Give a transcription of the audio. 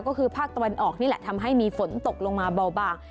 ก็คือภาคตะวันออกนี่แหละทำให้มีฝนตกลงมาเบาบาง